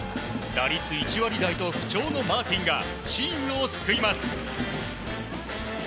打率１割台と不調のマーティンがチームを救います。